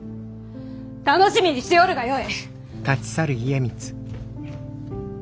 楽しみにしておるがよい！